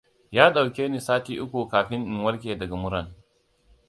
Ya ɗauki ne sati uku kafin in warke daga muran.